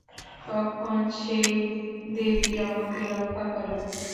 তখন সেই দেবী আমাকে রক্ষা করেন।